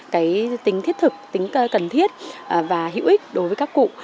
cái tính thiết thực tính cần thiết và hữu ích đối với các cụ